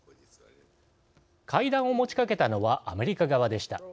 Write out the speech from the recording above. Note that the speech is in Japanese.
会談を持ちかけたのはアメリカ側でした。